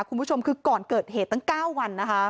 คุณผู้ชมถึงก่อนเกิดเหตุตั้ง๙วัน